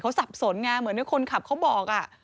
เขาสับสนไงเหมือนที่คนขับเขาบอก